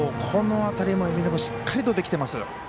この辺りも海老根君しっかりとできてます。